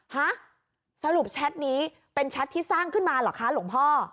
ฮะสรุปแชทนี้เป็นแชทที่สร้างขึ้นมาเหรอคะหลวงพ่อ